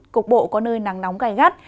cục bộ có nơi nắng nóng gai gắt